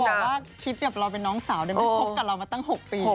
แต่ว่าคิดกับเราเป็นน้องสาวได้ไหมคบกับเรามาตั้ง๖ปี